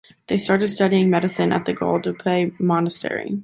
They started studying Medicine at the Guadalupe monastery.